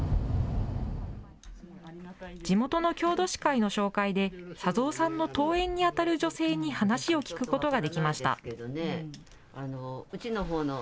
地元の郷土史会の紹介で、左三さんの遠縁に当たる女性に話を聞くことができました。